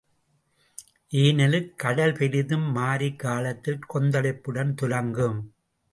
ஏனெனில் கடல் பெரிதும் மாரிக் காலத்தில் கொந்தளிப்புடன் துலங்கும்.